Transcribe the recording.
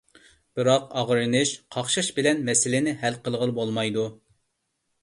بىراق، ئاغرىنىش، قاقشاش بىلەن مەسىلىنى ھەل قىلغىلى بولمايدۇ.